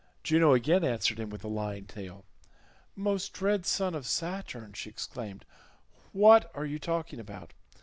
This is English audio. Juno again answered him with a lying tale. "Most dread son of Saturn," she exclaimed, "what are you talking about?